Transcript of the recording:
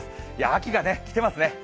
秋が来てますね。